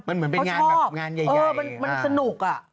เค้าชอบเออมันสนุกกับการที่ไปเจอคนเยอะมันเหมือนเป็นงานใหญ่